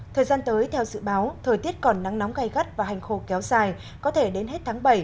thời gian tới theo dự báo thời tiết còn nắng nóng gai gắt và hành khô kéo dài có thể đến hết tháng bảy